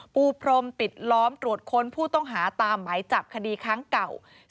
ปูพรมปิดล้อมตรวจค้นผู้ต้องหาตามหมายจับคดีครั้งเก่า